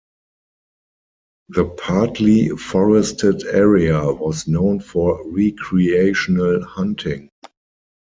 The partly-forested area was known for recreational hunting.